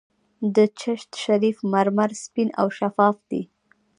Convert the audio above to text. د چشت شریف مرمر سپین او شفاف دي.